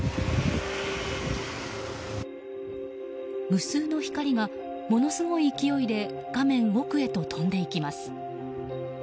無数の光がものすごい勢いで画面奥へと飛んでいきます。